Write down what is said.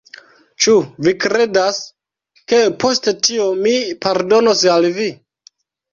Ĉu vi kredas, ke post tio mi pardonos al vi?